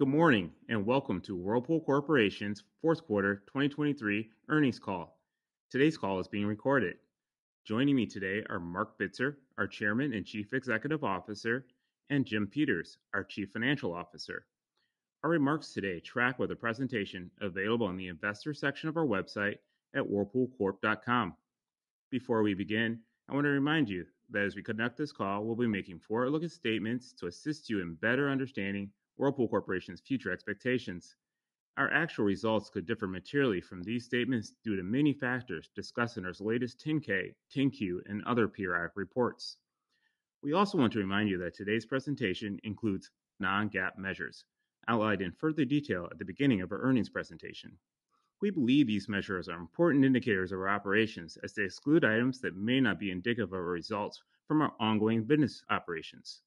Good morning, and welcome to Whirlpool Corporation's Fourth Quarter 2023 Earnings Call. Today's call is being recorded. Joining me today are Marc Bitzer, our Chairman and Chief Executive Officer, and Jim Peters, our Chief Financial Officer. Our remarks today track with a presentation available on the Investor section of our website at whirlpoolcorp.com. Before we begin, I want to remind you that as we conduct this call, we'll be making forward-looking statements to assist you in better understanding Whirlpool Corporation's future expectations. Our actual results could differ materially from these statements due to many factors discussed in our latest 10-K, 10-Q, and other periodic reports. We also want to remind you that today's presentation includes non-GAAP measures, outlined in further detail at the beginning of our earnings presentation. We believe these measures are important indicators of our operations, as they exclude items that may not be indicative of our results from our ongoing business operations.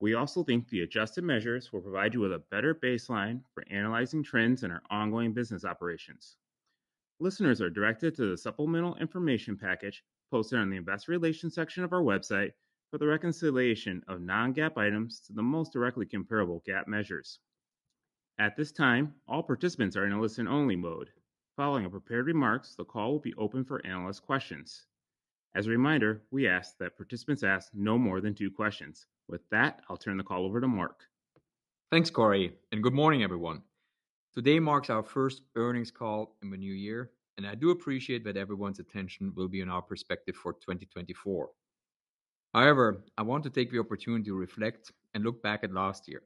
We also think the adjusted measures will provide you with a better baseline for analyzing trends in our ongoing business operations. Listeners are directed to the supplemental information package posted on the Investor Relations section of our website for the reconciliation of non-GAAP items to the most directly comparable GAAP measures. At this time, all participants are in a listen-only mode. Following our prepared remarks, the call will be open for analyst questions. As a reminder, we ask that participants ask no more than two questions. With that, I'll turn the call over to Marc. Thanks, Karey, and good morning, everyone. Today marks our first earnings call in the new year, and I do appreciate that everyone's attention will be on our perspective for 2024. However, I want to take the opportunity to reflect and look back at last year.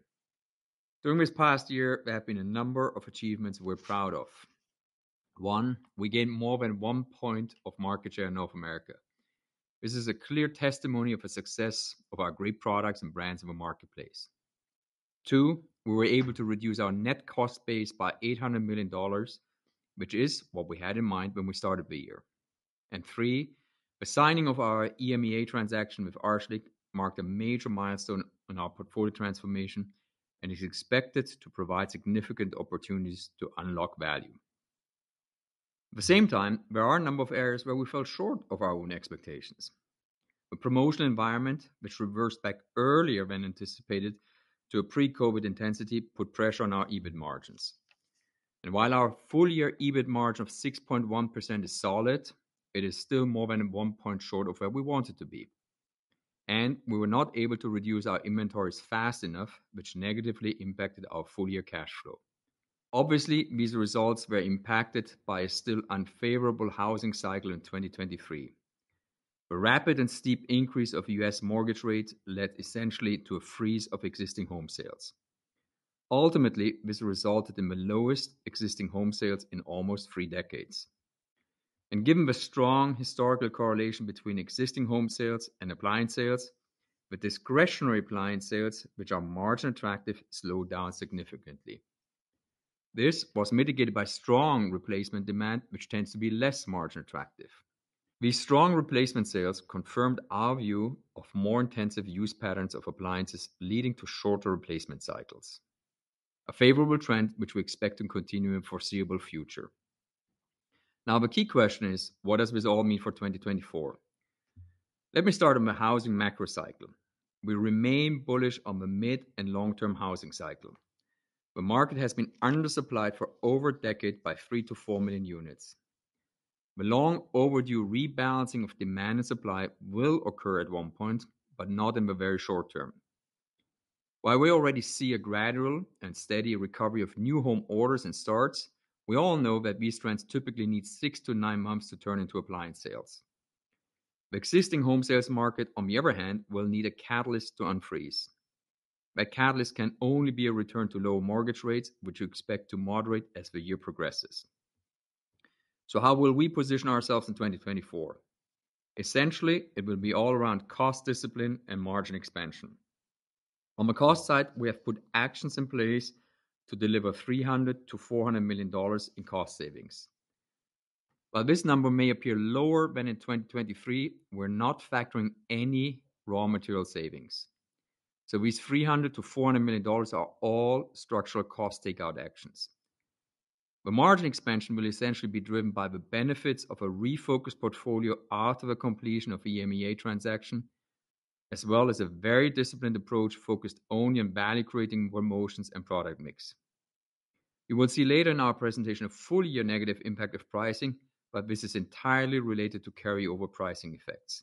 During this past year, there have been a number of achievements we're proud of. One, we gained more than one point of market share in North America. This is a clear testimony of the success of our great products and brands in the marketplace. Two, we were able to reduce our net cost base by $800 million, which is what we had in mind when we started the year. And three, the signing of our EMEA transaction with Arçelik marked a major milestone in our portfolio transformation and is expected to provide significant opportunities to unlock value.At the same time, there are a number of areas where we fell short of our own expectations. The promotional environment, which reversed back earlier than anticipated to a pre-COVID intensity, put pressure on our EBIT margins. While our full-year EBIT margin of 6.1% is solid, it is still more than one point short of where we want it to be. We were not able to reduce our inventories fast enough, which negatively impacted our full-year cash flow. Obviously, these results were impacted by a still unfavorable housing cycle in 2023. The rapid and steep increase of US mortgage rates led essentially to a freeze of existing home sales. Ultimately, this resulted in the lowest existing home sales in almost three decades. Given the strong historical correlation between existing home sales and appliance sales, the discretionary appliance sales, which are margin attractive, slowed down significantly. This was mitigated by strong replacement demand, which tends to be less margin attractive. These strong replacement sales confirmed our view of more intensive use patterns of appliances, leading to shorter replacement cycles, a favorable trend which we expect to continue in foreseeable future. Now, the key question is: What does this all mean for 2024? Let me start on the housing macro cycle. We remain bullish on the mid- and long-term housing cycle. The market has been undersupplied for over a decade by 3 million-4 million units. The long overdue rebalancing of demand and supply will occur at one point, but not in the very short term. While we already see a gradual and steady recovery of new home orders and starts, we all know that these trends typically need 6-9 months to turn into appliance sales. The existing home sales market, on the other hand, will need a catalyst to unfreeze. That catalyst can only be a return to lower mortgage rates, which we expect to moderate as the year progresses. So how will we position ourselves in 2024? Essentially, it will be all around cost discipline and margin expansion. On the cost side, we have put actions in place to deliver $300 million-$400 million in cost savings. While this number may appear lower than in 2023, we're not factoring any raw material savings. So these $300 million-$400 million are all structural cost takeout actions. The margin expansion will essentially be driven by the benefits of a refocused portfolio after the completion of the EMEA transaction, as well as a very disciplined approach, focused only on value-creating promotions and product mix. You will see later in our presentation a full year negative impact of pricing, but this is entirely related to carryover pricing effects.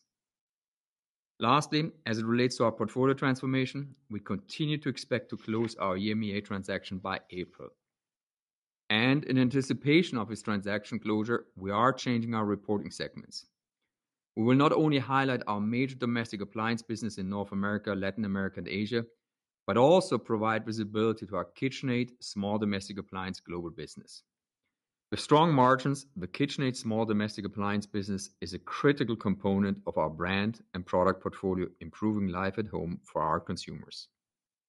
Lastly, as it relates to our portfolio transformation, we continue to expect to close our EMEA transaction by April. In anticipation of this transaction closure, we are changing our reporting segments. We will not only highlight our major domestic appliance business in North America, Latin America, and Asia, but also provide visibility to our KitchenAid small domestic appliance global business. With strong margins, the KitchenAid small domestic appliance business is a critical component of our brand and product portfolio, improving life at home for our consumers.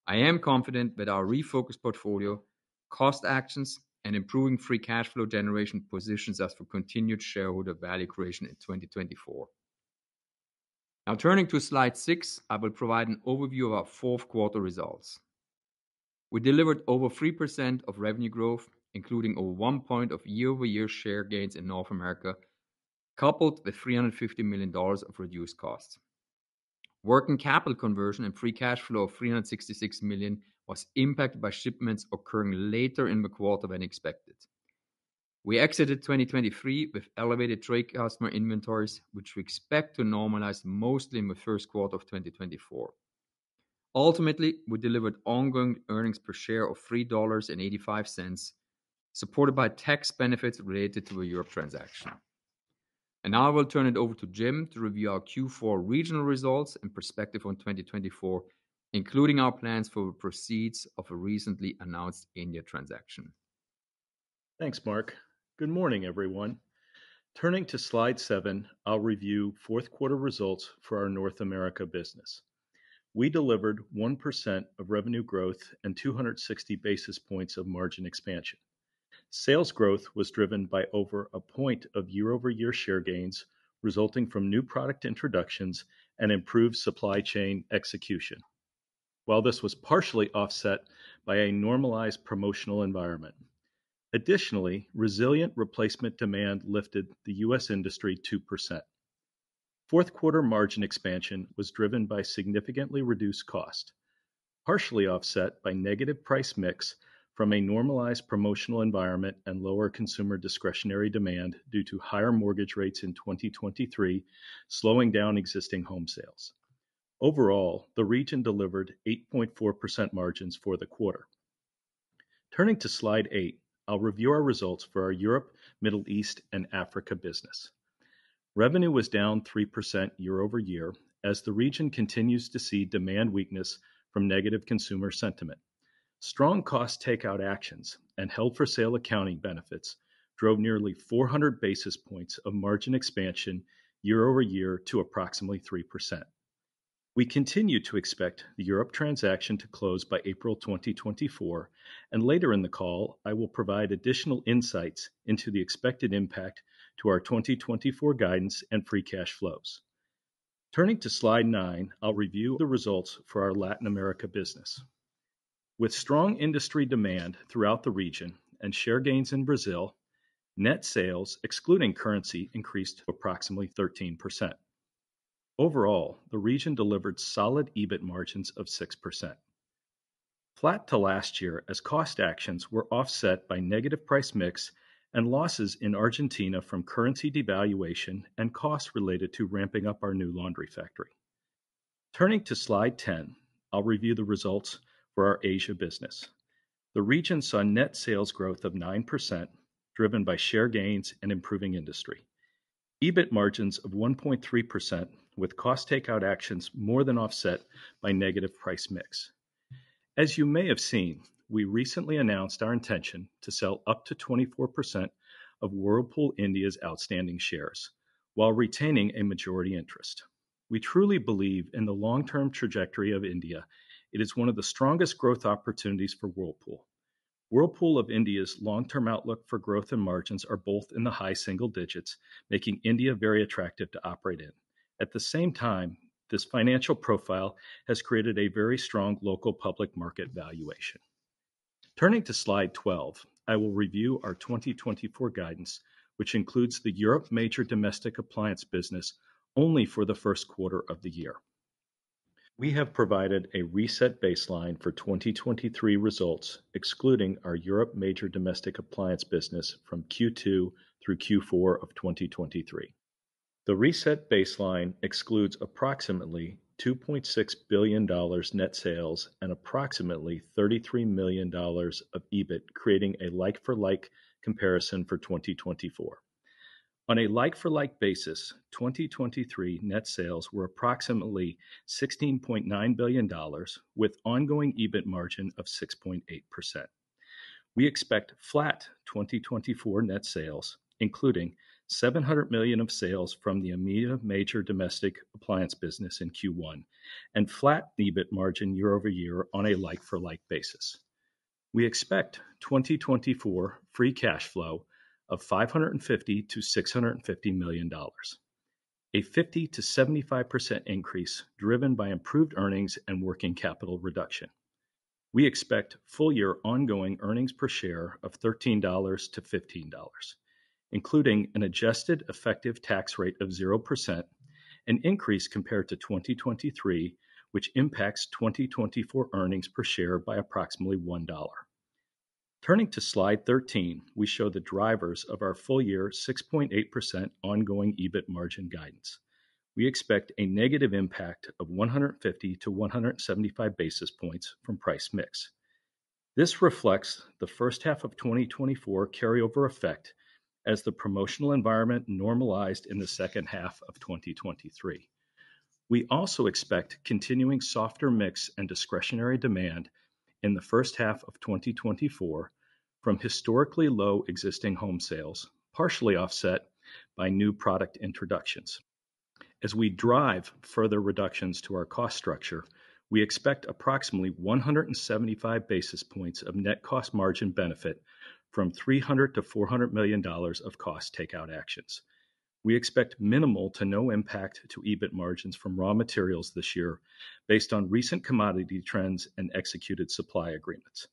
I am confident that our refocused portfolio, cost actions, and improving free cash flow generation positions us for continued shareholder value creation in 2024. Now, turning to slide six, I will provide an overview of our fourth quarter results. We delivered over 3% of revenue growth, including over 1 point of year-over-year share gains in North America, coupled with $350 million of reduced costs. Working capital conversion and free cash flow of $366 million was impacted by shipments occurring later in the quarter than expected. We exited 2023 with elevated trade customer inventories, which we expect to normalize mostly in the first quarter of 2024. Ultimately, we delivered ongoing earnings per share of $3.85, supported by tax benefits related to the Europe transaction. Now I will turn it over to Jim to review our Q4 regional results and perspective on 2024, including our plans for the proceeds of a recently announced India transaction. Thanks, Marc. Good morning, everyone. Turning to slide seven, I'll review fourth quarter results for our North America business. We delivered 1% revenue growth and 260 basis points of margin expansion. Sales growth was driven by over a point of year-over-year share gains, resulting from new product introductions and improved supply chain execution. While this was partially offset by a normalized promotional environment. Additionally, resilient replacement demand lifted the US industry 2%. Fourth quarter margin expansion was driven by significantly reduced cost, partially offset by negative price mix from a normalized promotional environment and lower consumer discretionary demand due to higher mortgage rates in 2023, slowing down existing home sales. Overall, the region delivered 8.4% margins for the quarter. Turning to slide eight, I'll review our results for our Europe, Middle East, and Africa business. Revenue was down 3% year-over-year, as the region continues to see demand weakness from negative consumer sentiment. Strong cost takeout actions and held-for-sale accounting benefits drove nearly 400 basis points of margin expansion year-over-year to approximately 3%. We continue to expect the Europe transaction to close by April 2024, and later in the call, I will provide additional insights into the expected impact to our 2024 guidance and free cash flows. Turning to slide nine, I'll review the results for our Latin America business. With strong industry demand throughout the region and share gains in Brazil, net sales, excluding currency, increased approximately 13%.Overall, the region delivered solid EBIT margins of 6%, flat to last year as cost actions were offset by negative price mix and losses in Argentina from currency devaluation and costs related to ramping up our new laundry factory. Turning to slide 10, I'll review the results for our Asia business. The region saw net sales growth of 9%, driven by share gains and improving industry. EBIT margins of 1.3%, with cost takeout actions more than offset by negative price mix. As you may have seen, we recently announced our intention to sell up to 24% of Whirlpool India's outstanding shares while retaining a majority interest. We truly believe in the long-term trajectory of India. It is one of the strongest growth opportunities for Whirlpool.Whirlpool of India's long-term outlook for growth and margins are both in the high single digits, making India very attractive to operate in. At the same time, this financial profile has created a very strong local public market valuation. Turning to slide 12, I will review our 2024 guidance, which includes the Europe major domestic appliance business only for the first quarter of the year. We have provided a reset baseline for 2023 results, excluding our Europe major domestic appliance business from Q2 through Q4 of 2023. The reset baseline excludes approximately $2.6 billion net sales and approximately $33 million of EBIT, creating a like-for-like comparison for 2024. On a like-for-like basis, 2023 net sales were approximately $16.9 billion, with ongoing EBIT margin of 6.8%. We expect flat 2024 net sales, including $700 million of sales from the EMEA major domestic appliance business in Q1, and flat EBIT margin year-over-year on a like-for-like basis. We expect 2024 free cash flow of $550 million-$650 million, a 50%-75% increase driven by improved earnings and working capital reduction. We expect full-year ongoing earnings per share of $13-$15, including an adjusted effective tax rate of 0%, an increase compared to 2023, which impacts 2024 earnings per share by approximately $1. Turning to slide 13, we show the drivers of our full-year 6.8% ongoing EBIT margin guidance. We expect a negative impact of 150-175 basis points from price mix. This reflects the first half of 2024 carryover effect as the promotional environment normalized in the second half of 2023. We also expect continuing softer mix and discretionary demand in the first half of 2024 from historically low existing home sales, partially offset by new product introductions. As we drive further reductions to our cost structure, we expect approximately 175 basis points of net cost margin benefit from $300 million-$400 million of cost takeout actions. We expect minimal to no impact to EBIT margins from raw materials this year, based on recent commodity trends and executed supply agreements.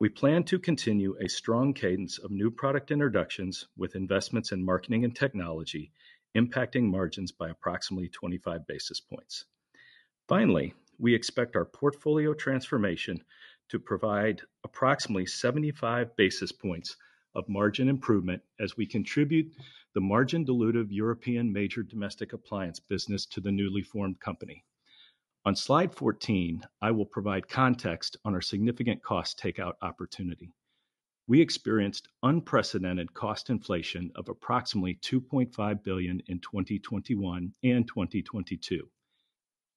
We plan to continue a strong cadence of new product introductions with investments in marketing and technology, impacting margins by approximately 25 basis points. Finally, we expect our portfolio transformation to provide approximately 75 basis points of margin improvement as we contribute the margin dilutive European major domestic appliance business to the newly formed company. On Slide 14, I will provide context on our significant cost takeout opportunity. We experienced unprecedented cost inflation of approximately $2.5 billion in 2021 and 2022.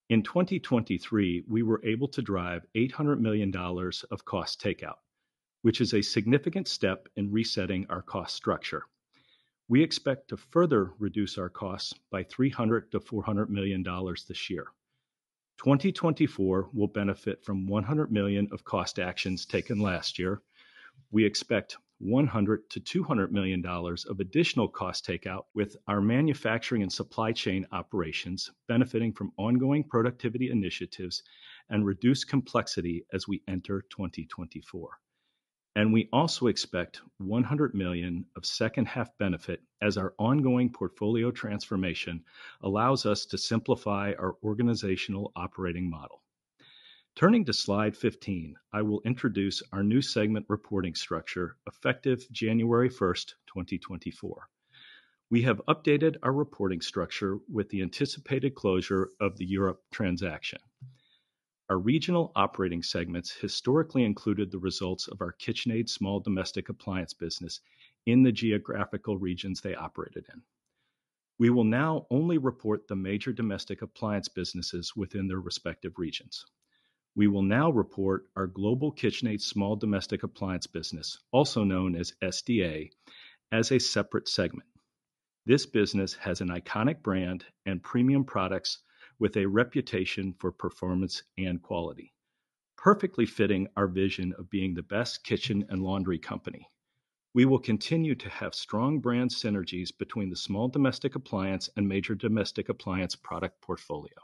In 2023, we were able to drive $800 million of cost takeout, which is a significant step in resetting our cost structure. We expect to further reduce our costs by $300 million-$400 million this year. 2024 will benefit from $100 million of cost actions taken last year. We expect $100 million-$200 million of additional cost takeout, with our manufacturing and supply chain operations benefiting from ongoing productivity initiatives and reduced complexity as we enter 2024.We also expect $100 million of second half benefit as our ongoing portfolio transformation allows us to simplify our organizational operating model. Turning to Slide 15, I will introduce our new segment reporting structure, effective January 1st, 2024. We have updated our reporting structure with the anticipated closure of the Europe transaction. Our regional operating segments historically included the results of our KitchenAid small domestic appliance business in the geographical regions they operated in. We will now only report the major domestic appliance businesses within their respective regions. We will now report our global KitchenAid small domestic appliance business, also known as SDA, as a separate segment. This business has an iconic brand and premium products with a reputation for performance and quality, perfectly fitting our vision of being the best kitchen and laundry company. We will continue to have strong brand synergies between the small domestic appliance and major domestic appliance product portfolio.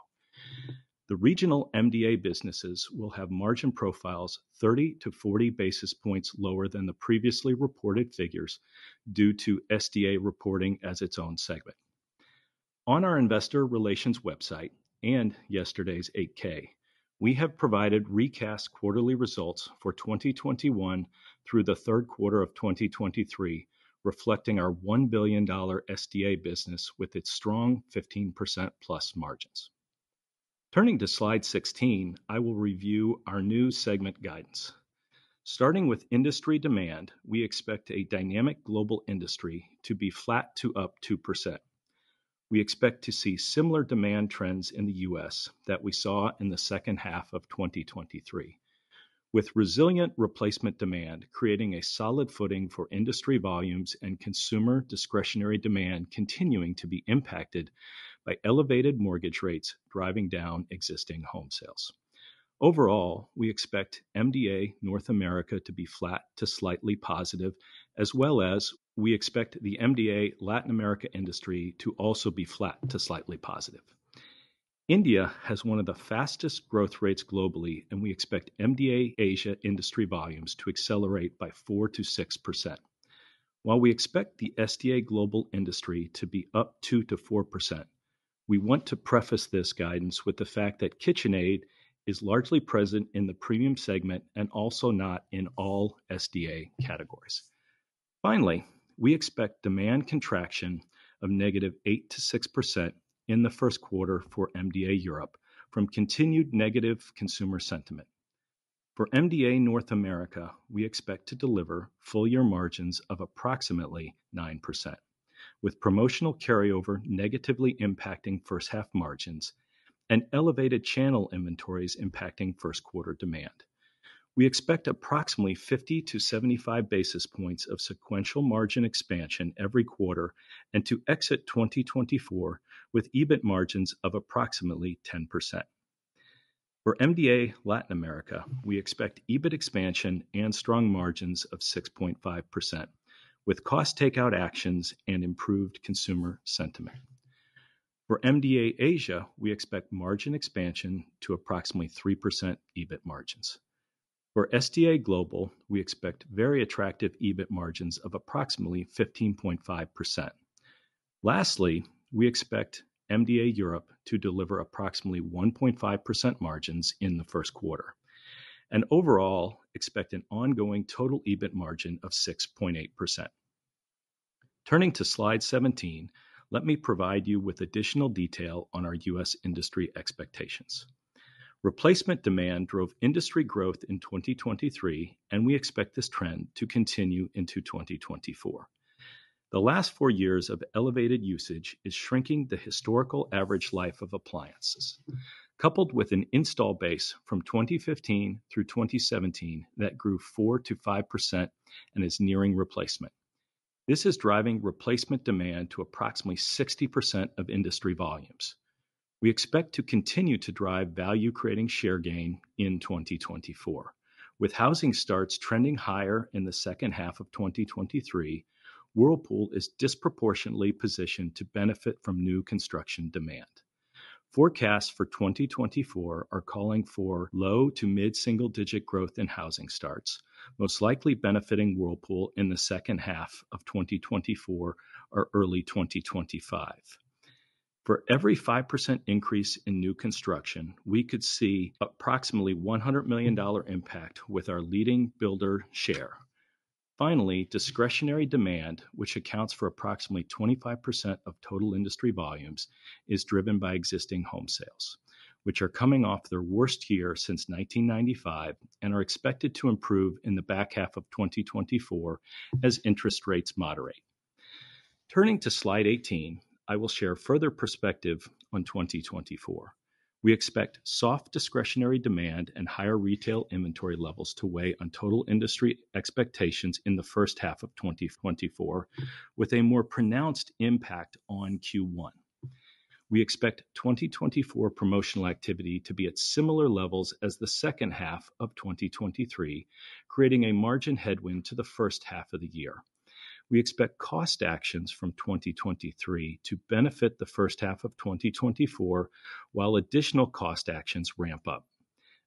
The regional MDA businesses will have margin profiles 30-40 basis points lower than the previously reported figures due to SDA reporting as its own segment. On our Investor Relations website and yesterday's 8-K, we have provided recast quarterly results for 2021 through the third quarter of 2023, reflecting our $1 billion SDA business with its strong 15%+ margins. Turning to Slide 16, I will review our new segment guidance. Starting with industry demand, we expect a dynamic global industry to be flat to up 2%. We expect to see similar demand trends in the U.S. that we saw in the second half of 2023, with resilient replacement demand creating a solid footing for industry volumes and consumer discretionary demand continuing to be impacted by elevated mortgage rates driving down existing home sales. Overall, we expect MDA North America to be flat to slightly positive, as well as we expect the MDA Latin America industry to also be flat to slightly positive. India has one of the fastest growth rates globally, and we expect MDA Asia industry volumes to accelerate by 4%-6%. While we expect the SDA global industry to be up 2%-4%, we want to preface this guidance with the fact that KitchenAid is largely present in the premium segment and also not in all SDA categories. Finally, we expect demand contraction of -8%-6% in the first quarter for MDA Europe from continued negative consumer sentiment. For MDA North America, we expect to deliver full year margins of approximately 9%, with promotional carryover negatively impacting first half margins and elevated channel inventories impacting first quarter demand. We expect approximately 50-75 basis points of sequential margin expansion every quarter and to exit 2024 with EBIT margins of approximately 10%. For MDA Latin America, we expect EBIT expansion and strong margins of 6.5%, with cost takeout actions and improved consumer sentiment. For MDA Asia, we expect margin expansion to approximately 3% EBIT margins. For SDA Global, we expect very attractive EBIT margins of approximately 15.5%. Lastly, we expect MDA Europe to deliver approximately 1.5% margins in the first quarter, and overall expect an ongoing total EBIT margin of 6.8%. Turning to Slide 17, let me provide you with additional detail on our US industry expectations. Replacement demand drove industry growth in 2023, and we expect this trend to continue into 2024. The last four years of elevated usage is shrinking the historical average life of appliances, coupled with an install base from 2015 through 2017 that grew 4%-5% and is nearing replacement. This is driving replacement demand to approximately 60% of industry volumes. We expect to continue to drive value-creating share gain in 2024. With housing starts trending higher in the second half of 2023, Whirlpool is disproportionately positioned to benefit from new construction demand....Forecasts for 2024 are calling for low- to mid-single-digit growth in housing starts, most likely benefiting Whirlpool in the second half of 2024 or early 2025. For every 5% increase in new construction, we could see approximately $100 million impact with our leading builder share. Finally, discretionary demand, which accounts for approximately 25% of total industry volumes, is driven by existing home sales, which are coming off their worst year since 1995, and are expected to improve in the back half of 2024 as interest rates moderate. Turning to Slide 18, I will share further perspective on 2024. We expect soft discretionary demand and higher retail inventory levels to weigh on total industry expectations in the first half of 2024, with a more pronounced impact on Q1. We expect 2024 promotional activity to be at similar levels as the second half of 2023, creating a margin headwind to the first half of the year. We expect cost actions from 2023 to benefit the first half of 2024, while additional cost actions ramp up.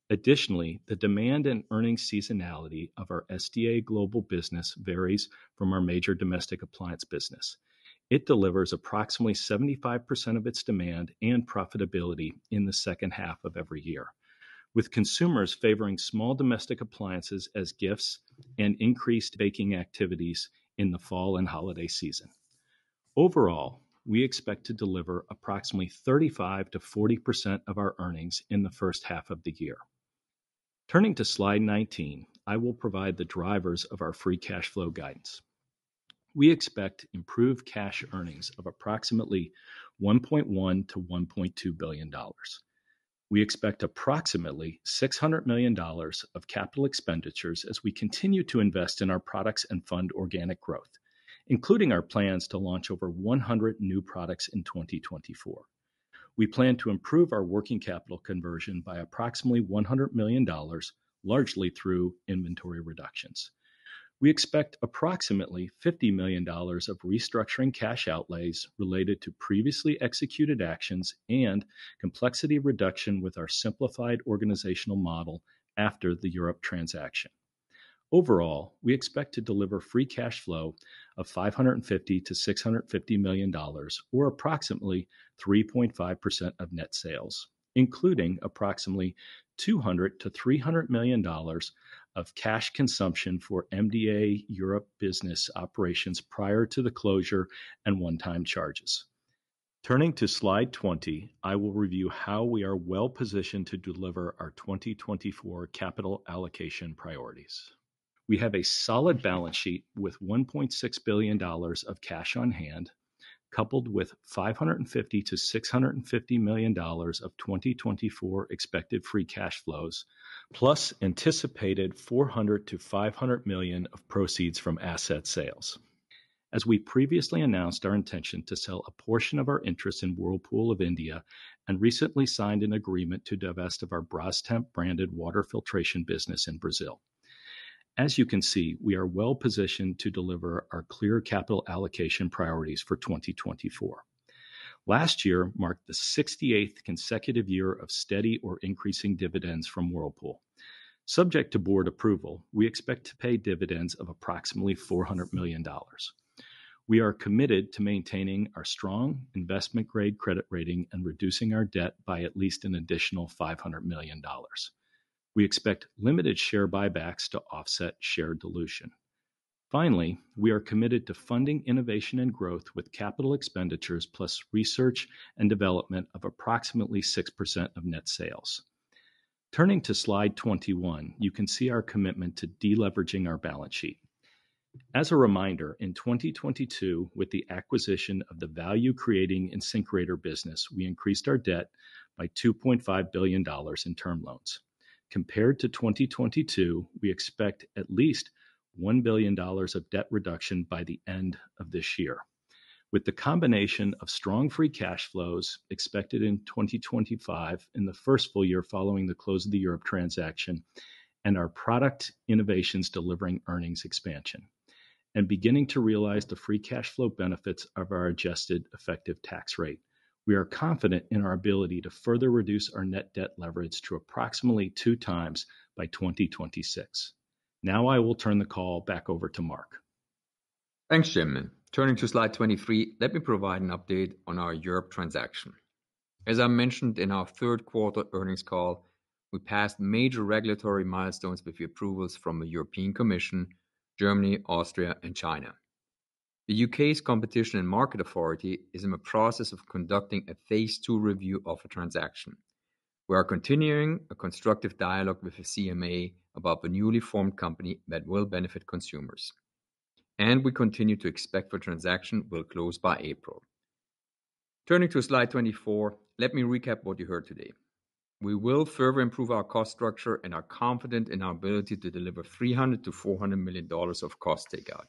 Additionally, the demand and earnings seasonality of our SDA global business varies from our major domestic appliance business. It delivers approximately 75% of its demand and profitability in the second half of every year, with consumers favoring small domestic appliances as gifts and increased baking activities in the fall and holiday season. Overall, we expect to deliver approximately 35%-40% of our earnings in the first half of the year. Turning to Slide 19, I will provide the drivers of our free cash flow guidance. We expect improved cash earnings of approximately $1.1 billion-$1.2 billion. We expect approximately $600 million of capital expenditures as we continue to invest in our products and fund organic growth, including our plans to launch over 100 new products in 2024. We plan to improve our working capital conversion by approximately $100 million, largely through inventory reductions. We expect approximately $50 million of restructuring cash outlays related to previously executed actions and complexity reduction with our simplified organizational model after the Europe transaction. Overall, we expect to deliver free cash flow of $550 million-$650 million, or approximately 3.5% of net sales, including approximately $200 million-$300 million of cash consumption for MDA Europe business operations prior to the closure and one-time charges. Turning to Slide 20, I will review how we are well positioned to deliver our 2024 capital allocation priorities. We have a solid balance sheet with $1.6 billion of cash on hand, coupled with $550 million-$650 million of 2024 expected free cash flows, plus anticipated $400 million-$500 million of proceeds from asset sales. As we previously announced our intention to sell a portion of our interest in Whirlpool of India, and recently signed an agreement to divest of our Brastemp branded water filtration business in Brazil. As you can see, we are well positioned to deliver our clear capital allocation priorities for 2024. Last year marked the 68th consecutive year of steady or increasing dividends from Whirlpool. Subject to board approval, we expect to pay dividends of approximately $400 million. We are committed to maintaining our strong investment-grade credit rating and reducing our debt by at least an additional $500 million. We expect limited share buybacks to offset share dilution. Finally, we are committed to funding innovation and growth with capital expenditures, plus research and development of approximately 6% of net sales. Turning to Slide 21, you can see our commitment to de-leveraging our balance sheet. As a reminder, in 2022, with the acquisition of the value-creating InSinkErator business, we increased our debt by $2.5 billion in term loans. Compared to 2022, we expect at least $1 billion of debt reduction by the end of this year. With the combination of strong free cash flows expected in 2025, in the first full year following the close of the Europe transaction, and our product innovations delivering earnings expansion, and beginning to realize the free cash flow benefits of our adjusted effective tax rate, we are confident in our ability to further reduce our net debt leverage to approximately 2x by 2026. Now, I will turn the call back over to Marc. Thanks, Jim. Turning to Slide 23, let me provide an update on our Europe transaction. As I mentioned in our third quarter earnings call, we passed major regulatory milestones with the approvals from the European Commission, Germany, Austria, and China. The UK's Competition and Markets Authority is in the process of conducting a phase II review of the transaction. We are continuing a constructive dialogue with the CMA about the newly formed company that will benefit consumers, and we continue to expect the transaction will close by April. Turning to Slide 24, let me recap what you heard today. We will further improve our cost structure and are confident in our ability to deliver $300 million-$400 million of cost takeout.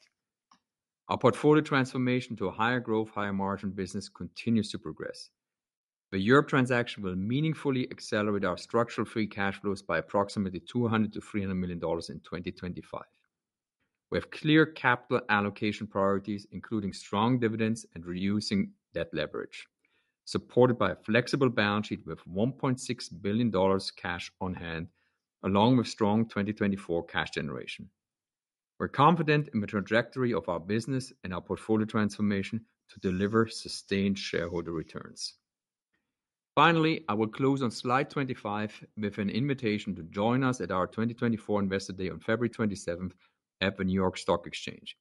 Our portfolio transformation to a higher growth, higher margin business continues to progress. The Europe transaction will meaningfully accelerate our structural free cash flows by approximately $200 million-$300 million in 2025. We have clear capital allocation priorities, including strong dividends and reducing debt leverage, supported by a flexible balance sheet with $1.6 billion cash on hand, along with strong 2024 cash generation. We're confident in the trajectory of our business and our portfolio transformation to deliver sustained shareholder returns. Finally, I will close on slide 25 with an invitation to join us at our 2024 Investor Day on February 27th at the New York Stock Exchange.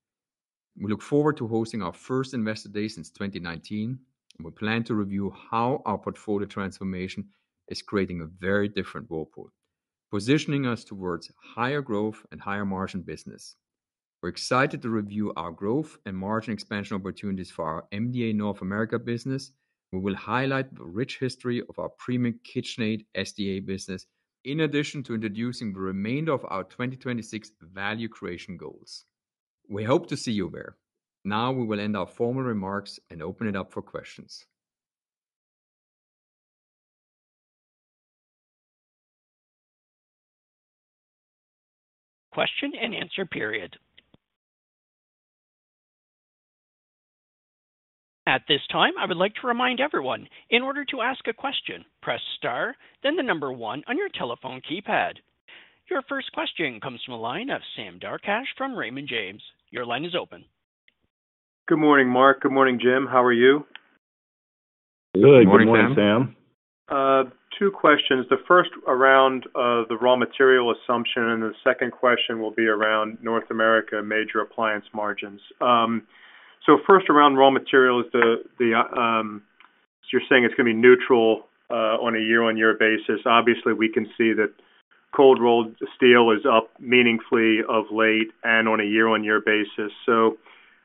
We look forward to hosting our first Investor Day since 2019, and we plan to review how our portfolio transformation is creating a very different Whirlpool, positioning us towards higher growth and higher margin business. We're excited to review our growth and margin expansion opportunities for our MDA North America business. We will highlight the rich history of our premium KitchenAid SDA business, in addition to introducing the remainder of our 2026 value creation goals. We hope to see you there. Now we will end our formal remarks and open it up for questions. Question and answer period. At this time, I would like to remind everyone, in order to ask a question, press Star, then the number one on your telephone keypad. Your first question comes from the line of Sam Darkatsh from Raymond James. Your line is open. Good morning, Marc. Good morning, Jim. How are you? Good. Good morning, Sam. Two questions. The first around the raw material assumption, and the second question will be around North America major appliance margins. So first, around raw materials, the, so you're saying it's gonna be neutral on a year-on-year basis. Obviously, we can see that cold-rolled steel is up meaningfully of late and on a year-on-year basis. So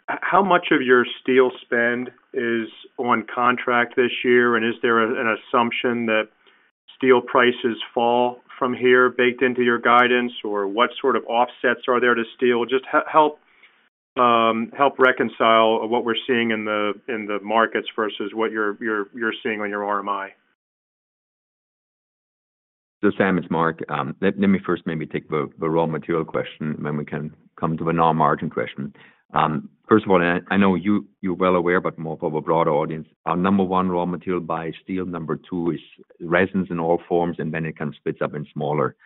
how much of your steel spend is on contract this year? And is there an assumption that steel prices fall from here baked into your guidance? Or what sort of offsets are there to steel? Just help reconcile what we're seeing in the markets versus what you're seeing on your RMI. So, Sam, it's Marc. Let me first maybe take the raw material question, and then we can come to the non-margin question. First of all, I know you, you're well aware, but more for the broader audience, our number one raw material is steel, number two is resins in all forms, and then it kind of splits up in smaller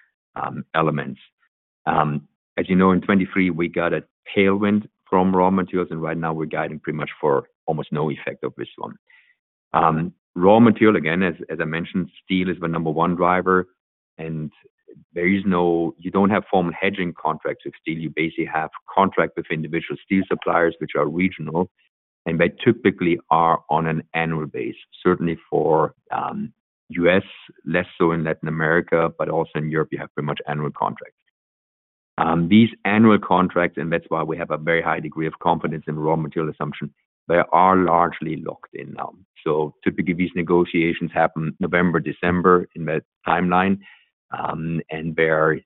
elements. As you know, in 2023, we got a tailwind from raw materials, and right now we're guiding pretty much for almost no effect of this one. Raw material, again, as I mentioned, steel is the number one driver, and there is no. You don't have formal hedging contracts with steel. You basically have contract with individual steel suppliers, which are regional, and they typically are on an annual base. Certainly for U.S., less so in Latin America, but also in Europe, you have pretty much annual contracts. These annual contracts, and that's why we have a very high degree of confidence in raw material assumption, they are largely locked in now. So typically, these negotiations happen November, December, in that timeline, and they're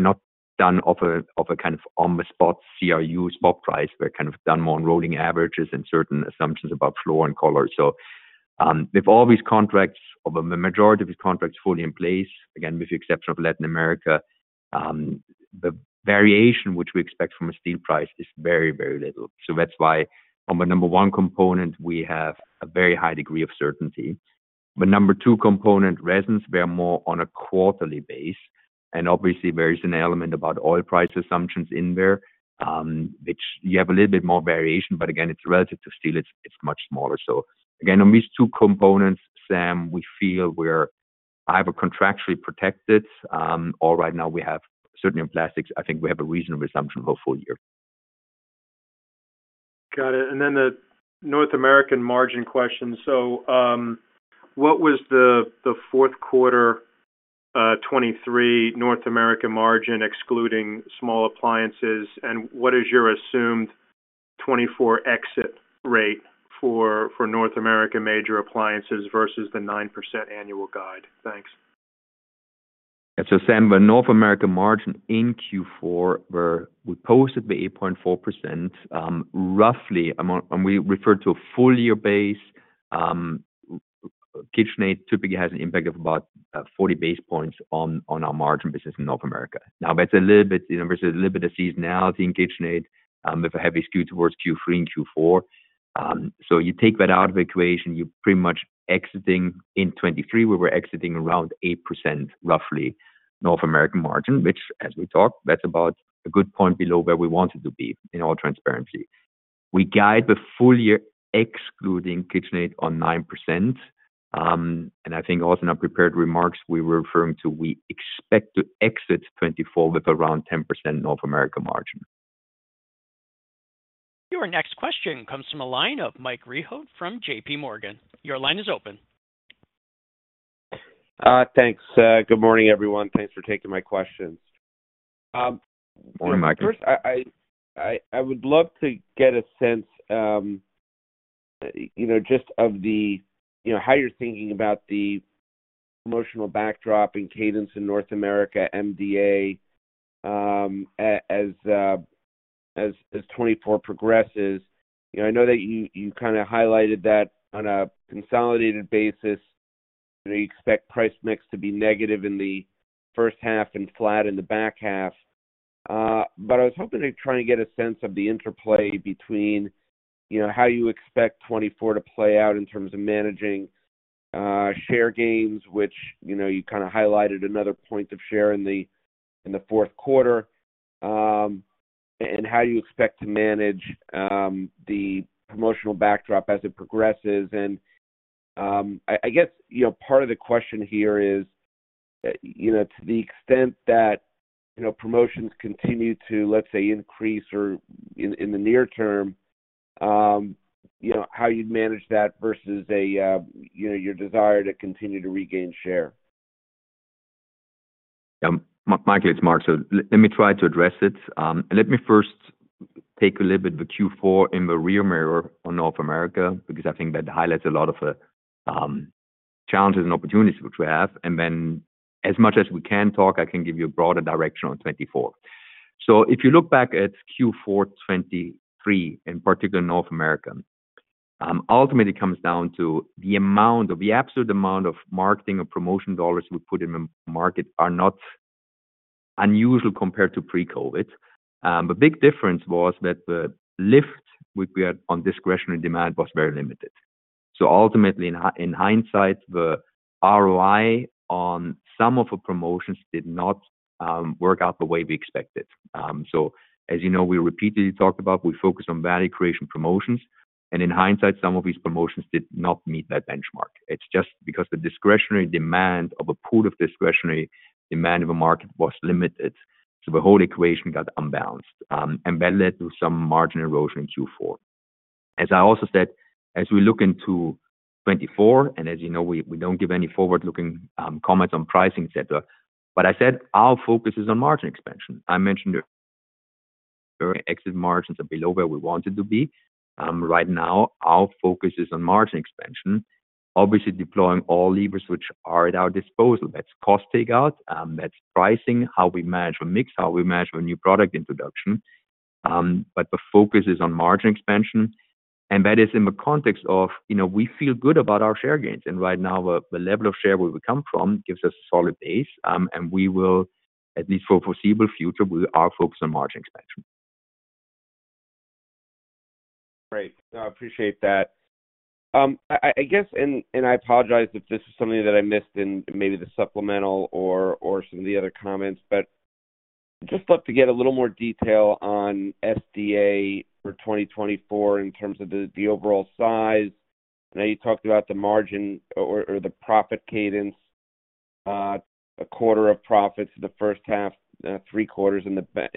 not done of a kind of on-the-spot CRU spot price. They're kind of done more on rolling averages and certain assumptions about floor and collar. So, with all these contracts, or the majority of these contracts fully in place, again, with the exception of Latin America, the variation which we expect from a steel price is very, very little. So that's why on the number one component, we have a very high degree of certainty. The number two component, resins, we are more on a quarterly basis, and obviously, there is an element about oil price assumptions in there, which you have a little bit more variation, but again, it's relative to steel, it's much smaller. So again, on these two components, Sam, we feel we're either contractually protected, or right now we have, certainly in plastics, I think we have a reasonable assumption for full year. Got it. And then the North American margin question. So, what was the fourth quarter 2023 North American margin, excluding small appliances? And what is your assumed 2024 exit rate for North America major appliances versus the 9% annual guide? Thanks. So, Sam, the North America margin in Q4, where we posted the 8.4%, roughly among... When we refer to a full year base, KitchenAid typically has an impact of about, 40 basis points on, on our margin business in North America. Now, that's a little bit, you know, there's a little bit of seasonality in KitchenAid, with a heavy skew towards Q3 and Q4. So you take that out of the equation, you're pretty much exiting in 2023, where we're exiting around 8%, roughly, North American margin, which, as we talked, that's about a good point below where we wanted to be, in all transparency. We guide the full year excluding KitchenAid on 9%. And I think also in our prepared remarks, we were referring to, we expect to exit 2024 with around 10% North America margin. Your next question comes from a line of Mike Rehaut from JPMorgan. Your line is open. Thanks. Good morning, everyone. Thanks for taking my questions. Good morning, Mike. First, I would love to get a sense, you know, just of the you know, how you're thinking about the promotional backdrop and cadence in North America, MDA, as 2024 progresses. You know, I know that you kind of highlighted that on a consolidated basis. You know, you expect price mix to be negative in the first half and flat in the back half. But I was hoping to try and get a sense of the interplay between, you know, how you expect 2024 to play out in terms of managing share gains, which, you know, you kind of highlighted another point of share in the fourth quarter. And how you expect to manage the promotional backdrop as it progresses.I guess, you know, part of the question here is, you know, to the extent that, you know, promotions continue to, let's say, increase or in the near term, you know, how you'd manage that versus a, you know, your desire to continue to regain share? Michael, it's Marc. So let me try to address it. Let me first take a little bit the Q4 in the rear mirror on North America, because I think that highlights a lot of the challenges and opportunities which we have. And then as much as we can talk, I can give you a broader direction on 2024. So if you look back at Q4 2023, in particular, North America, ultimately comes down to the amount of the absolute amount of marketing and promotion dollars we put in the market are not unusual compared to pre-COVID. The big difference was that the lift we had on discretionary demand was very limited. So ultimately, in hindsight, the ROI on some of the promotions did not work out the way we expected. So as you know, we repeatedly talked about, we focus on value creation promotions, and in hindsight, some of these promotions did not meet that benchmark. It's just because the discretionary demand of a pool of discretionary demand of a market was limited, so the whole equation got unbalanced, and that led to some margin erosion in Q4. As I also said, as we look into 2024, and as you know, we don't give any forward-looking comments on pricing, et cetera. But I said our focus is on margin expansion. I mentioned the exit margins are below where we wanted to be. Right now, our focus is on margin expansion, obviously deploying all levers which are at our disposal. That's cost takeout, that's pricing, how we manage our mix, how we manage our new product introduction. But the focus is on margin expansion, and that is in the context of, you know, we feel good about our share gains. And right now, the level of share where we come from gives us a solid base, and we will, at least for foreseeable future, we are focused on margin expansion. Great. I appreciate that. I guess, and I apologize if this is something that I missed in maybe the supplemental or some of the other comments, but just love to get a little more detail on SDA for 2024 in terms of the overall size. I know you talked about the margin or the profit cadence, a quarter of profits in the first half, three quarters in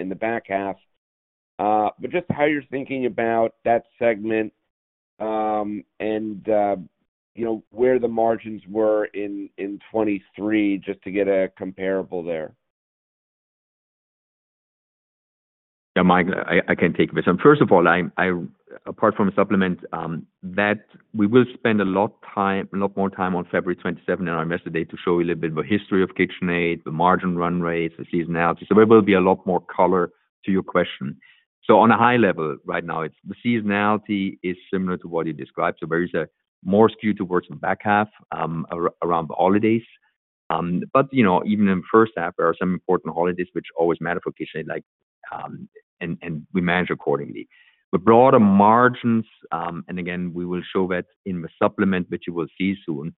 the back half. But just how you're thinking about that segment, and you know, where the margins were in 2023, just to get a comparable there. Yeah, Mike, I can take this. First of all, apart from a supplement that we will spend a lot time, a lot more time on February 27th in our Investor Day to show a little bit of a history of KitchenAid, the margin run rates, the seasonality. So there will be a lot more color to your question. So on a high level, right now, it's the seasonality is similar to what you described. So there is a more skewed towards the back half around the holidays. But, you know, even in the first half, there are some important holidays which always matter for KitchenAid, like and we manage accordingly. The broader margins, and again, we will show that in the supplement, which you will see soon,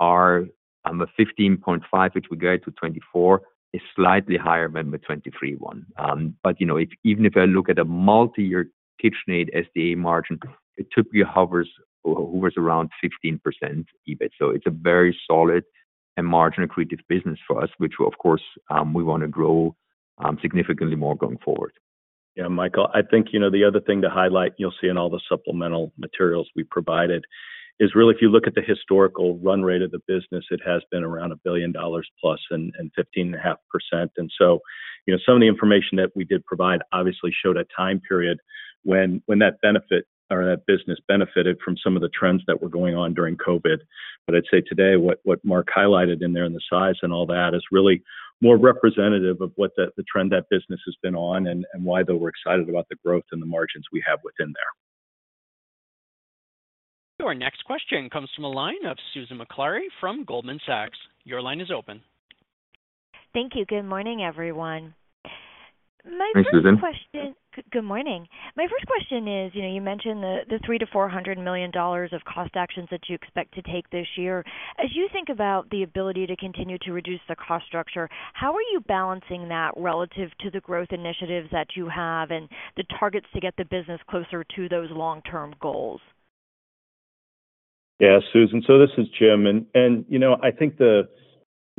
are a 15.5, which we guide to 24, is slightly higher than the 23.1 one. But, you know, if even if I look at a multi-year KitchenAid SDA margin, it typically hovers, hovers around 16% EBIT. So it's a very solid and margin accretive business for us, which of course, we want to grow, significantly more going forward. Yeah, Michael, I think, you know, the other thing to highlight, you'll see in all the supplemental materials we provided, is really if you look at the historical run rate of the business, it has been around $1 billion plus and 15.5%. And so, you know, some of the information that we did provide obviously showed a time period when that benefit or that business benefited from some of the trends that were going on during COVID. But I'd say today, what Marc highlighted in there, and the size and all that, is really more representative of what the trend that business has been on and why though we're excited about the growth and the margins we have within there. Our next question comes from a line of Susan Maklari from Goldman Sachs. Your line is open. Thank you. Good morning, everyone. My first question- Hi, Susan. Good morning. My first question is, you know, you mentioned the $300 million-$400 million of cost actions that you expect to take this year. As you think about the ability to continue to reduce the cost structure, how are you balancing that relative to the growth initiatives that you have and the targets to get the business closer to those long-term goals? Yeah, Susan, so this is Jim, and you know, I think the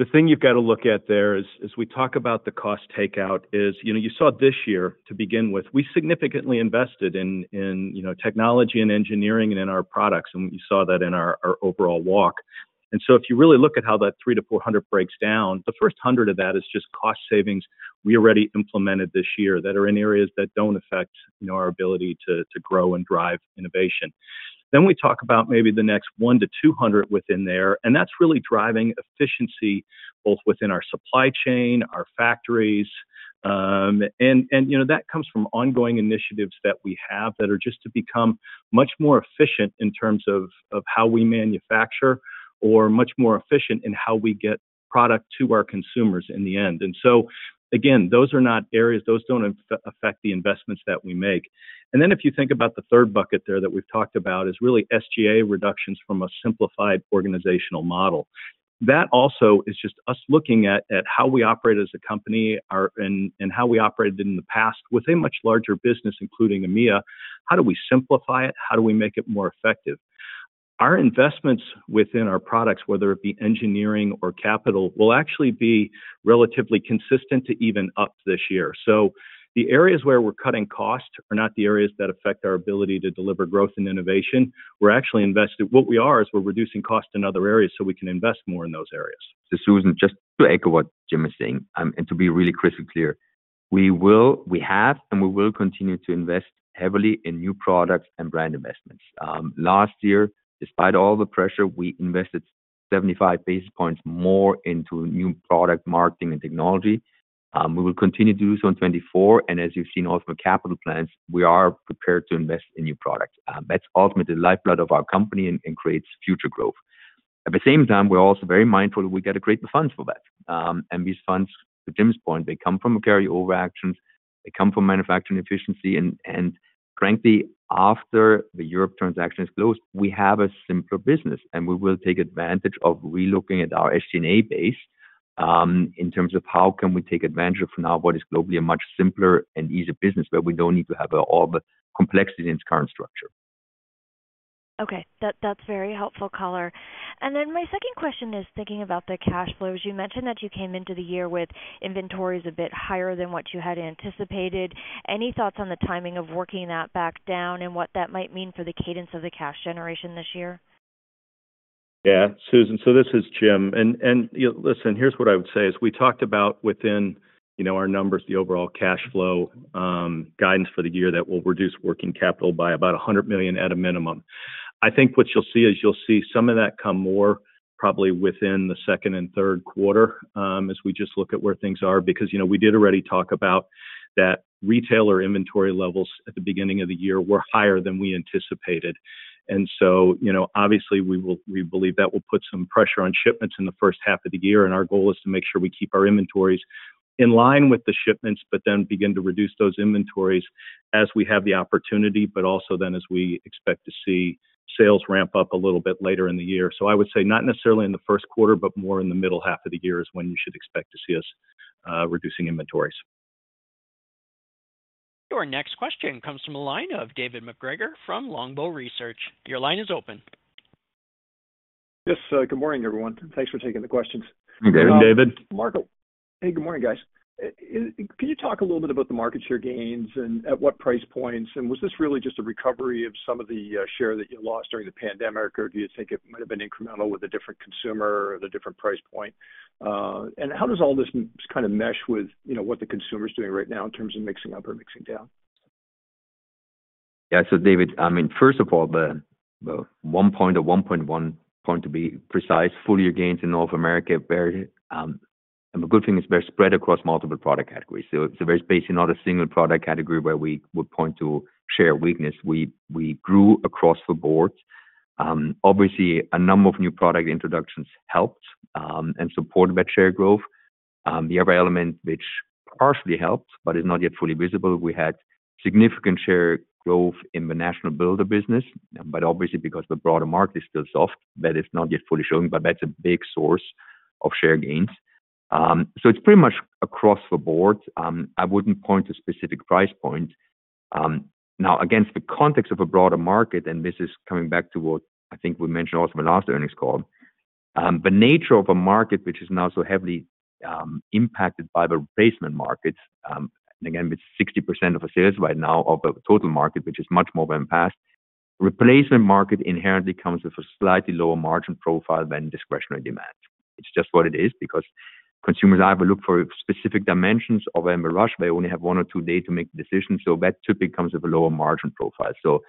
thing you've got to look at there is, as we talk about the cost takeout, is, you know, you saw this year, to begin with, we significantly invested in you know, technology and engineering and in our products, and you saw that in our overall walk. And so if you really look at how that $300-$400 breaks down, the first $100 of that is just cost savings we already implemented this year that are in areas that don't affect, you know, our ability to grow and drive innovation. Then we talk about maybe the next $100-$200 within there, and that's really driving efficiency, both within our supply chain, our factories. And you know, that comes from ongoing initiatives that we have that are just to become much more efficient in terms of how we manufacture or much more efficient in how we get product to our consumers in the end. And so again, those are not areas. Those don't affect the investments that we make. And then if you think about the third bucket there that we've talked about, is really SG&A reductions from a simplified organizational model. That also is just us looking at how we operate as a company, and how we operated in the past with a much larger business, including EMEA. How do we simplify it? How do we make it more effective? Our investments within our products, whether it be engineering or capital, will actually be relatively consistent to even up this year. The areas where we're cutting costs are not the areas that affect our ability to deliver growth and innovation. We're actually invested. What we are is we're reducing costs in other areas so we can invest more in those areas. So, Susan, just to echo what Jim is saying, and to be really crystal clear, we will—we have, and we will continue to invest heavily in new products and brand investments. Last year, despite all the pressure, we invested 75 basis points more into new product marketing and technology. We will continue to do so in 2024, and as you've seen also in capital plans, we are prepared to invest in new products. That's ultimately the lifeblood of our company and creates future growth. At the same time, we're also very mindful that we got to create the funds for that. And these funds, to Jim's point, they come from carryover actions, they come from manufacturing efficiency, and frankly, after the Europe transaction is closed, we have a simpler business, and we will take advantage of relooking at our SG&A base, in terms of how can we take advantage of now what is globally a much simpler and easier business, but we don't need to have all the complexity in its current structure. Okay, that, that's very helpful color. And then my second question is: thinking about the cash flows. You mentioned that you came into the year with inventories a bit higher than what you had anticipated. Any thoughts on the timing of working that back down and what that might mean for the cadence of the cash generation this year? Yeah, Susan, so this is Jim. You know, listen, here's what I would say, is we talked about within, you know, our numbers, the overall cash flow guidance for the year, that we'll reduce working capital by about $100 million at a minimum. I think what you'll see is you'll see some of that come more probably within the second and third quarter, as we just look at where things are, because, you know, we did already talk about that retailer inventory levels at the beginning of the year were higher than we anticipated. And so, you know, obviously, we believe that will put some pressure on shipments in the first half of the year, and our goal is to make sure we keep our inventories in line with the shipments, but then begin to reduce those inventories as we have the opportunity, but also then as we expect to see sales ramp up a little bit later in the year. So I would say not necessarily in the first quarter, but more in the middle half of the year is when you should expect to see us reducing inventories. Your next question comes from the line of David MacGregor from Longbow Research. Your line is open. Yes, good morning, everyone. Thanks for taking the questions. Good morning, David. Hey, good morning, guys. Can you talk a little bit about the market share gains and at what price points? And was this really just a recovery of some of the share that you lost during the pandemic, or do you think it might have been incremental with a different consumer or the different price point? And how does all this kind of mesh with, you know, what the consumer is doing right now in terms of mixing up or mixing down? Yeah. So, David, I mean, first of all, the 1.1-point, to be precise, full year gains in North America are very good, and the good thing is they're spread across multiple product categories. So it's a very basic, not a single product category where we would point to share weakness. We grew across the board. Obviously, a number of new product introductions helped and supported by share growth. The other element, which partially helped, but is not yet fully visible, we had significant share growth in the national builder business, but obviously because the broader market is still soft, that is not yet fully showing, but that's a big source of share gains. So it's pretty much across the board. I wouldn't point to specific price point. Now, against the context of a broader market, and this is coming back to what I think we mentioned also in the last earnings call, the nature of a market which is now so heavily impacted by the replacement markets, and again, with 60% of the sales right now of the total market, which is much more than past. Replacement market inherently comes with a slightly lower margin profile than discretionary demand. It's just what it is, because consumers either look for specific dimensions or in a rush, they only have one or two days to make decisions, so that typically comes with a lower margin profile. So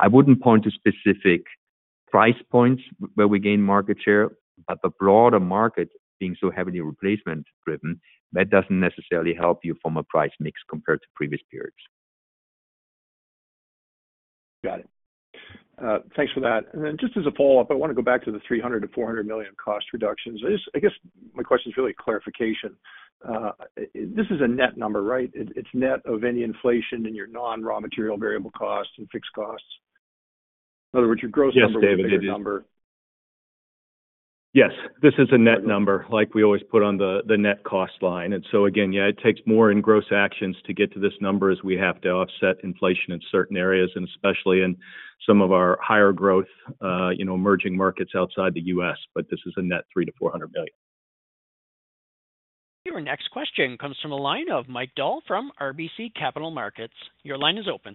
I wouldn't point to specific price points where we gain market share, but the broader market being so heavily replacement-driven, that doesn't necessarily help you from a price mix compared to previous periods. Got it. Thanks for that. And then just as a follow-up, I want to go back to the $300 million-$400 million cost reductions. I just, I guess my question is really a clarification. This is a net number, right? It, it's net of any inflation in your non-raw material variable costs and fixed costs. In other words, your gross number- Yes, David, it is. Yes, this is a net number, like we always put on the net cost line. And so again, yeah, it takes more in gross actions to get to this number as we have to offset inflation in certain areas, and especially in some of our higher growth, you know, emerging markets outside the U.S., but this is a net $300 million-$400 million. Your next question comes from a line of Mike Dahl from RBC Capital Markets. Your line is open.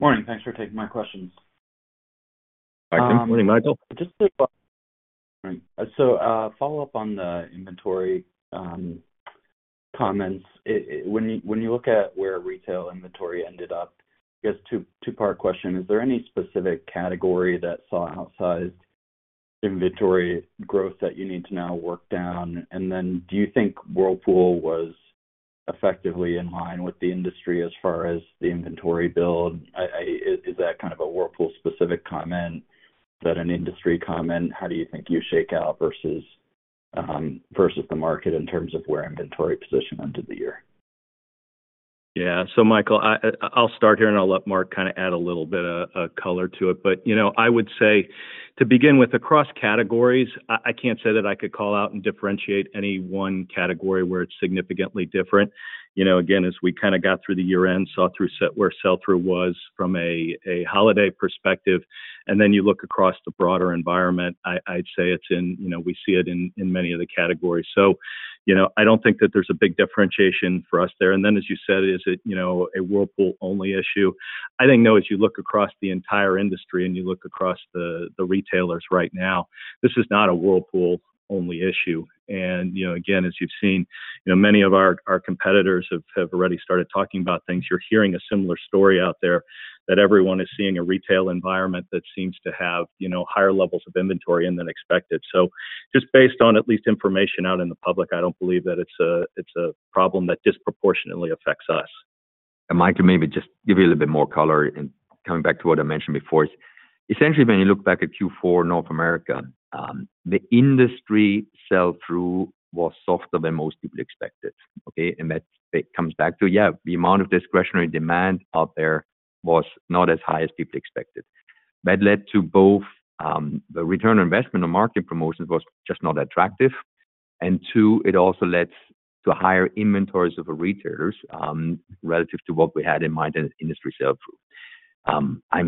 Morning. Thanks for taking my questions. Hi, good morning, Michael. Just so, follow up on the inventory comments. When you look at where retail inventory ended up, I guess two-part question: Is there any specific category that saw outsized inventory growth that you need to now work down? And then do you think Whirlpool was effectively in line with the industry as far as the inventory build? Is that kind of a Whirlpool-specific comment than an industry comment? How do you think you shake out versus versus the market in terms of where inventory positioned into the year? Yeah. So, Michael, I'll start here, and I'll let Marc kind of add a little bit of color to it. But, you know, I would say, to begin with, across categories, I can't say that I could call out and differentiate any one category where it's significantly different. You know, again, as we kind of got through the year-end, saw through where sell-through was from a holiday perspective, and then you look across the broader environment, I'd say it's in, you know, we see it in many of the categories. So, you know, I don't think that there's a big differentiation for us there. And then, as you said, is it, you know, a Whirlpool-only issue? I think, no, as you look across the entire industry and you look across the retailers right now, this is not a Whirlpool-only issue. You know, again, as you've seen, you know, many of our, our competitors have already started talking about things. You're hearing a similar story out there, that everyone is seeing a retail environment that seems to have, you know, higher levels of inventory in than expected. Just based on at least information out in the public, I don't believe that it's a problem that disproportionately affects us. Mike, maybe just give you a little bit more color, and coming back to what I mentioned before. Essentially, when you look back at Q4 North America, the industry sell-through was softer than most people expected, okay? And that comes back to, yeah, the amount of discretionary demand out there was not as high as people expected. That led to both, the return on investment on market promotions was just not attractive, and two, it also led to higher inventories of the retailers, relative to what we had in mind as industry sell-through. And as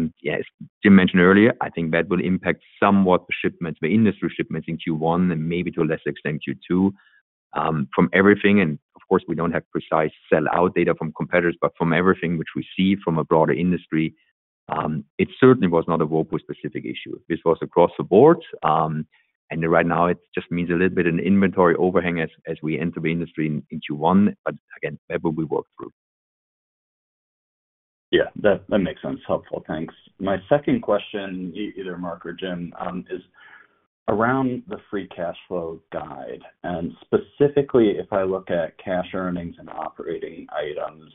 Jim mentioned earlier, I think that will impact somewhat the shipments, the industry shipments in Q1 and maybe to a lesser extent, Q2.From everything, and of course, we don't have precise sell-out data from competitors, but from everything which we see from a broader industry, it certainly was not a Whirlpool-specific issue. This was across the board. And right now, it just means a little bit in inventory overhang as we enter the industry in Q1. But again, that will we work through. Yeah, that, that makes sense. Helpful. Thanks. My second question, either Marc or Jim, is around the free cash flow guide, and specifically, if I look at cash earnings and operating items,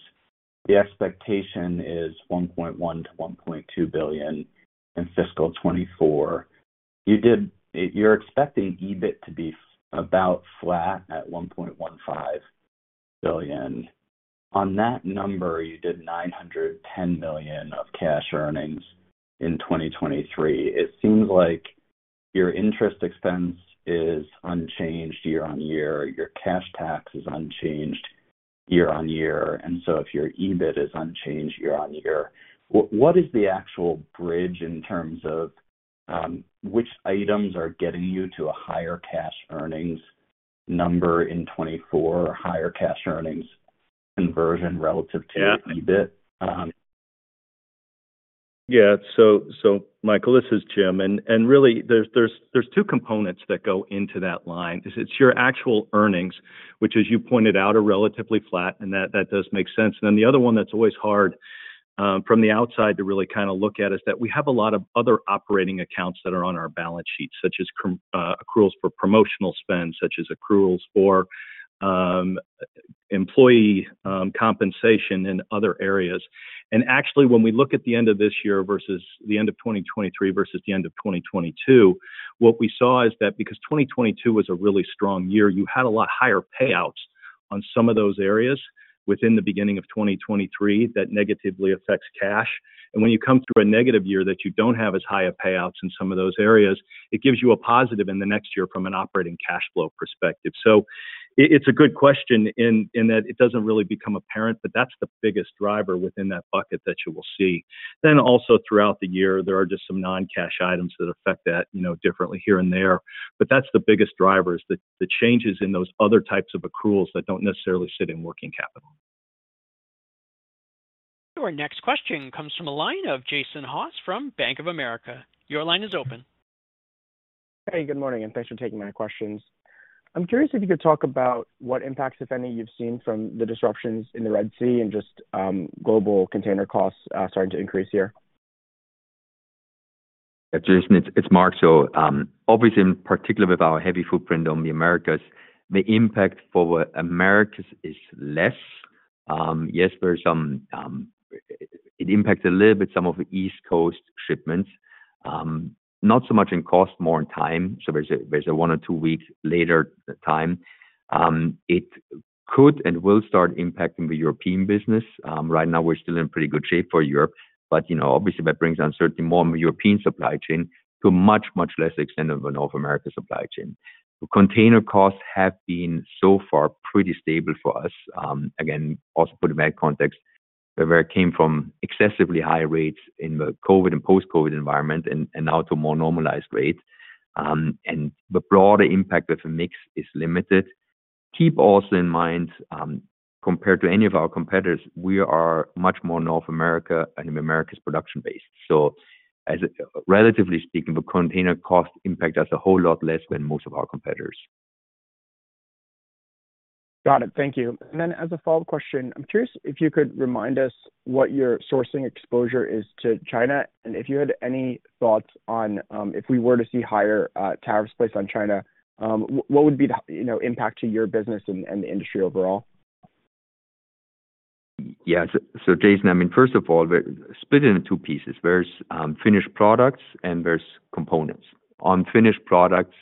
the expectation is $1.1 billion-$1.2 billion in fiscal 2024. You're expecting EBIT to be about flat at $1.15 billion. On that number, you did $910 million of cash earnings in 2023. It seems like your interest expense is unchanged year-on-year, your cash tax is unchanged year-on-year, and so if your EBIT is unchanged year-on-year, what, what is the actual bridge in terms of, which items are getting you to a higher cash earnings number in 2024, or higher cash earnings conversion relative to- Yeah - EBIT? Yeah. So, Michael, this is Jim. And really, there's two components that go into that line. It's your actual earnings, which, as you pointed out, are relatively flat, and that does make sense. Then the other one that's always hard, from the outside to really kind of look at, is that we have a lot of other operating accounts that are on our balance sheet, such as accruals for promotional spend, such as accruals for employee compensation in other areas. And actually, when we look at the end of this year versus the end of 2023 versus the end of 2022, what we saw is that because 2022 was a really strong year, you had a lot higher payouts on some of those areas within the beginning of 2023. That negatively affects cash. When you come through a negative year that you don't have as high a payouts in some of those areas, it gives you a positive in the next year from an operating cash flow perspective. So it's a good question in that it doesn't really become apparent, but that's the biggest driver within that bucket that you will see. Then also, throughout the year, there are just some non-cash items that affect that, you know, differently here and there. But that's the biggest driver, is the changes in those other types of accruals that don't necessarily sit in working capital. Our next question comes from a line of Jason Haas from Bank of America. Your line is open. Hey, good morning, and thanks for taking my questions. I'm curious if you could talk about what impacts, if any, you've seen from the disruptions in the Red Sea and just, global container costs, starting to increase here. Yeah, Jason, it's Marc. So, obviously, in particular, with our heavy footprint on the Americas, the impact for Americas is less. Yes, there are some, it impacts a little bit some of the East Coast shipments. Not so much in cost, more in time, so there's a one or two weeks later time. It could and will start impacting the European business. Right now, we're still in pretty good shape for Europe, but you know, obviously, that brings uncertainty more in the European supply chain to a much, much less extent of a North America supply chain. Container costs have been so far pretty stable for us. Again, also put in that context, where we came from excessively high rates in the COVID and post-COVID environment and, and now to more normalized rates, and the broader impact of the mix is limited. Keep also in mind, compared to any of our competitors, we are much more North America and Americas production base. So as relatively speaking, the container cost impact us a whole lot less than most of our competitors. Got it. Thank you. And then as a follow-up question, I'm curious if you could remind us what your sourcing exposure is to China, and if you had any thoughts on, if we were to see higher, tariffs placed on China, what would be the, you know, impact to your business and the industry overall? Yeah. So, so Jason, I mean, first of all, we're split it into two pieces. There's finished products and there's components. On finished products,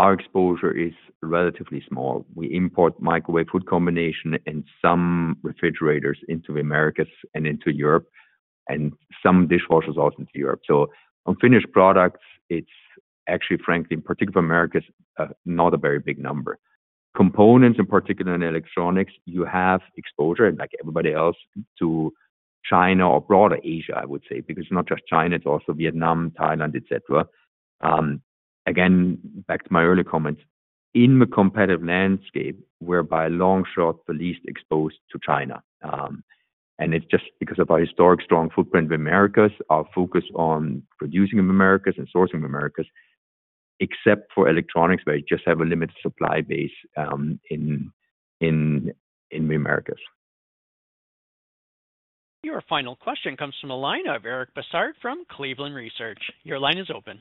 our exposure is relatively small. We import microwave hood combination, and some refrigerators into the Americas and into Europe, and some dishwashers also into Europe. So on finished products, it's actually, frankly, in particular Americas, not a very big number. Components, in particular in electronics, you have exposure, like everybody else, to China or broader Asia, I would say, because it's not just China, it's also Vietnam, Thailand, et cetera. Again, back to my earlier comments, in the competitive landscape, we're by a long shot, the least exposed to China.It's just because of our historic strong footprint in Americas, our focus on producing in Americas and sourcing in Americas, except for electronics, where you just have a limited supply base in the Americas. Your final question comes from the line of Eric Bosshard from Cleveland Research. Your line is open.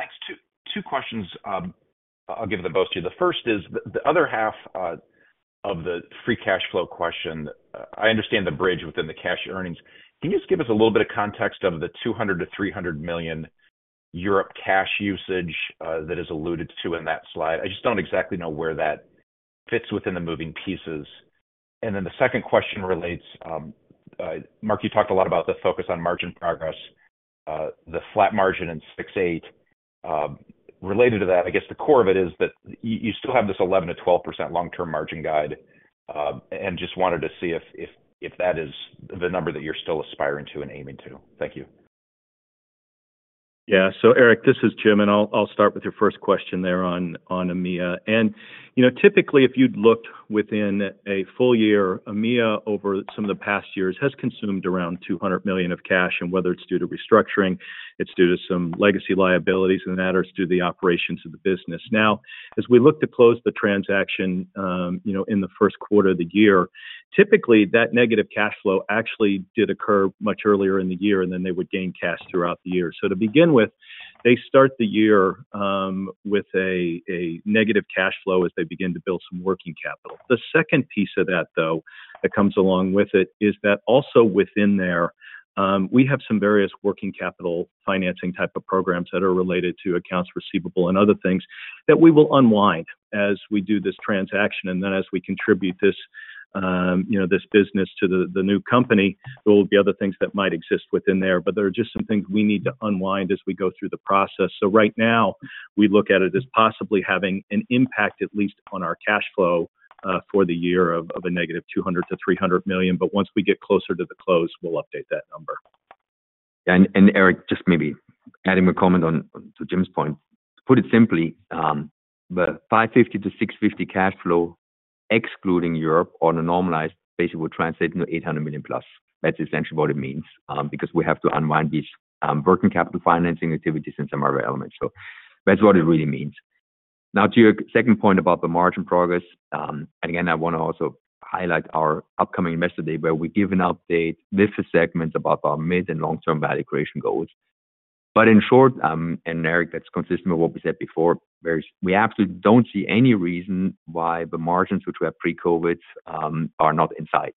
Thanks. Two, two questions. I'll give them both to you. The first is the other half of the free cash flow question. I understand the bridge within the cash earnings. Can you just give us a little bit of context of the $200 million-$300 million Europe cash usage that is alluded to in that slide? I just don't exactly know where that fits within the moving pieces. And then the second question relates, Marc, you talked a lot about the focus on margin progress, the flat margin in 6-8. Related to that, I guess the core of it is that you still have this 11%-12% long-term margin guide. And just wanted to see if that is the number that you're still aspiring to and aiming to. Thank you. Yeah. So Eric, this is Jim, and I'll, I'll start with your first question there on, on EMEA. And you know, typically, if you'd looked within a full year, EMEA, over some of the past years, has consumed around $200 million of cash, and whether it's due to restructuring, it's due to some legacy liabilities, and that is due to the operations of the business. Now, as we look to close the transaction, you know, in the first quarter of the year, typically that negative cash flow actually did occur much earlier in the year, and then they would gain cash throughout the year. So to begin with, they start the year, with a negative cash flow as they begin to build some working capital. The second piece of that, though, that comes along with it, is that also within there, we have some various working capital financing type of programs that are related to accounts receivable and other things that we will unwind as we do this transaction. And then as we contribute this, you know, this business to the new company, there will be other things that might exist within there, but there are just some things we need to unwind as we go through the process. So right now, we look at it as possibly having an impact, at least on our cash flow, for the year of a negative $200 million-$300 million. But once we get closer to the close, we'll update that number. And Eric, just maybe adding a comment on to Jim's point. To put it simply, the $550-$650 cash flow, excluding Europe on a normalized basis, would translate into $800 million+. That's essentially what it means, because we have to unwind these, working capital financing activities and some other elements. So that's what it really means. Now, to your second point about the margin progress, and again, I want to also highlight our upcoming Investor Day, where we give an update with the segments about our mid- and long-term value creation goals. But in short, and Eric, that's consistent with what we said before, where we absolutely don't see any reason why the margins, which were pre-COVID, are not in sight.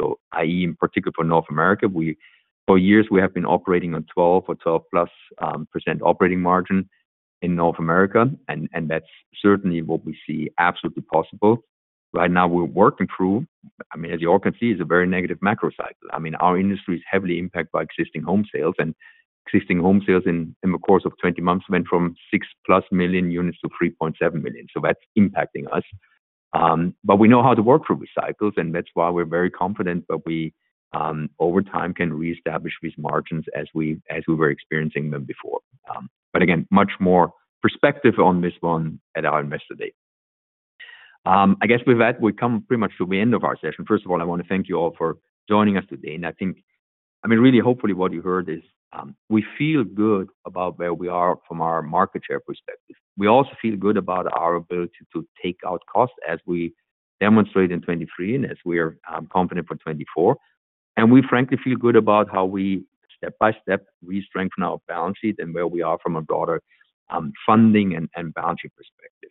So, i.e., in particular for North America, for years, we have been operating on 12% or 12%+ operating margin in North America, and that's certainly what we see absolutely possible. Right now, we're working through, I mean, as you all can see, it's a very negative macro cycle. I mean, our industry is heavily impacted by existing home sales, and existing home sales in the course of 20 months went from 6 million+ units to 3.7 million. So that's impacting us. But we know how to work through these cycles, and that's why we're very confident that we, over time, can reestablish these margins as we were experiencing them before. But again, much more perspective on this one at our Investor Day.I guess with that, we come pretty much to the end of our session. First of all, I want to thank you all for joining us today, and I think, I mean, really, hopefully what you heard is, we feel good about where we are from our market share perspective. We also feel good about our ability to take out costs as we demonstrate in 2023 and as we are, confident for 2024. And we frankly feel good about how we step-by-step restrengthen our balance sheet and where we are from a broader, funding and, and balance sheet perspective.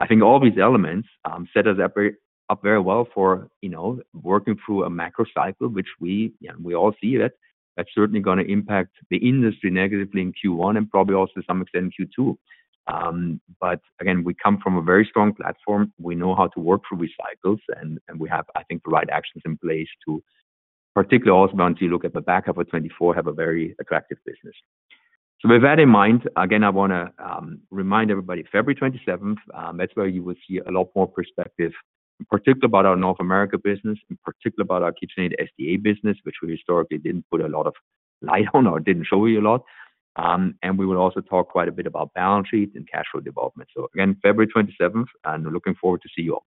I think all these elements, set us up very, up very well for, you know, working through a macro cycle, which we, yeah, we all see that that's certainly gonna impact the industry negatively in Q1 and probably also to some extent in Q2. But again, we come from a very strong platform. We know how to work through these cycles, and we have, I think, the right actions in place to particularly also, once you look at the back half of 2024, have a very attractive business. So with that in mind, again, I wanna remind everybody, February 27, that's where you will see a lot more perspective, in particular about our North America business, in particular about our KitchenAid SDA business, which we historically didn't put a lot of light on or didn't show you a lot. We will also talk quite a bit about balance sheet and cash flow development. So again, February 27, and looking forward to see you all.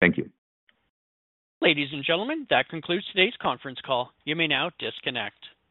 Thank you. Ladies and gentlemen, that concludes today's conference call. You may now disconnect.